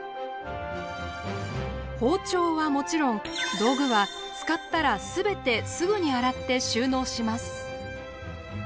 包丁はもちろん道具は使ったら全てすぐに洗って収納します。